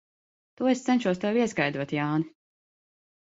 To es cenšos tev ieskaidrot, Jāni.